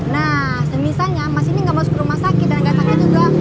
nah semisalnya mas ini ga masuk rumah sakit dan ga sakit juga